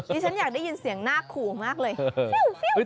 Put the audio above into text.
ฉันอยากได้ยินเสียงหน้าขู่มากเลย